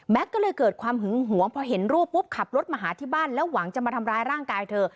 ก็เลยเกิดความหึงหวงพอเห็นรูปปุ๊บขับรถมาหาที่บ้านแล้วหวังจะมาทำร้ายร่างกายเธอ